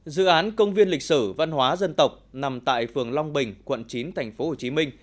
dự án công viên lịch sử văn hóa dân tộc nằm tại phường long bình quận chín tp hcm